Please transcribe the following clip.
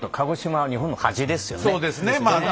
そうですね。